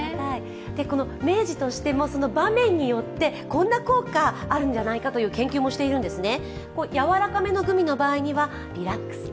この明治としても場面によってこんな効果あるんじゃないかという研究もしてるんですね。